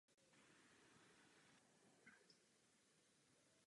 Usnesení Parlamentu formuluje politické priority Evropského parlamentu v této oblasti.